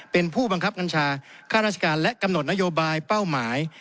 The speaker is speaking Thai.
เป็นผู้บังคับบัญชาค่าราชการและกำหนดนโยบายเป้าหมาย